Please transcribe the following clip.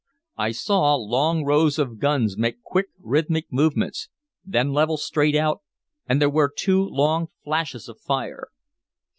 I saw long rows of guns make quick rhythmic movements, then level straight out, and there were two long flashes of fire.